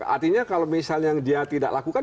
artinya kalau misalnya yang dia tidak lakukan